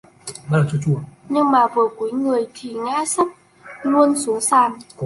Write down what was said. Những vừa cúii người thì ngã sắp luôn xuống sàn nhà